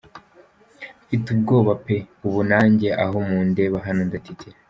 Mfite ubwoba pe, ubu nanjye aho mundeba hano ndatitira.